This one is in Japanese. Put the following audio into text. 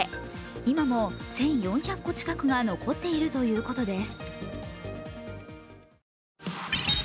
今も１４００個近くが残っているということです。